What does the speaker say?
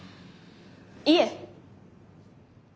いえ。